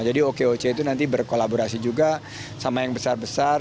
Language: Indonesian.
jadi okoc itu nanti berkolaborasi juga sama yang besar besar